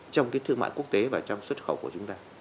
trong cái thương mại quốc tế và trong xuất khẩu của chúng ta